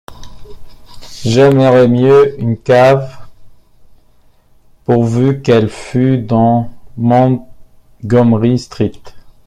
J’aimerais mieux une cave, pourvu qu’elle fût dans Montgomery Street!